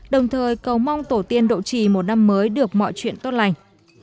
đồng thời cầu mong tổ tiên độ trì một năm mới được mọi chuyện tốt lành